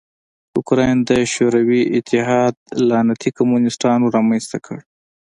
اوکراین د شوروي اتحاد لعنتي کمونستانو رامنځ ته کړ.